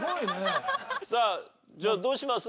さあじゃあどうします？